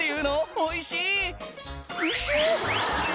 おいしい」